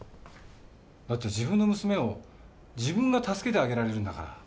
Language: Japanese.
だって自分の娘を自分が助けてあげられるんだから。